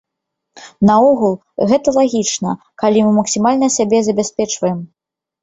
Наогул, гэта лагічна, калі мы максімальна сябе забяспечваем.